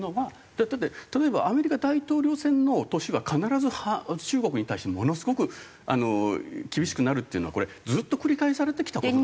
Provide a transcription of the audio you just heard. だって例えばアメリカ大統領選の年は必ず中国に対してものすごく厳しくなるっていうのはこれずっと繰り返されてきた事なんですよ。